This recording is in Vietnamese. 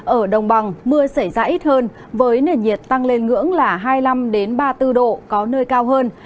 ở đồng bằng mưa xảy ra ít hơn với nền nhiệt tăng lên ngưỡng là hai mươi năm ba mươi bốn độ có nơi cao hơn